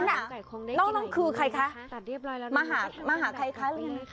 น้องคนนี้คือใครคะมาน้องคือใครคะมาหาใครคะ